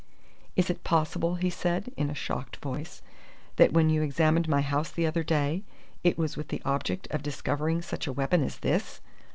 "Is it possible," he said in a shocked voice, "that when you examined my house the other day it was with the object of discovering such a weapon as this!"